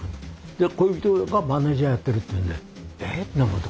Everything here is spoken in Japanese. で恋人がマネージャーやってるっていうんで「え？」と。